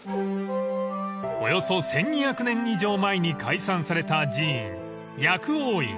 ［およそ１，２００年以上前に開山された寺院薬王院］